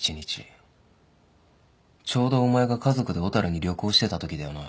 ちょうどお前が家族で小樽に旅行してたときだよな。